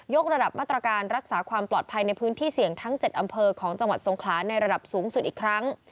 กระดับมาตรการรักษาความปลอดภัยในพื้นที่เสี่ยงทั้ง๗อำเภอของจังหวัดทรงขลาในระดับสูงสุดอีกครั้ง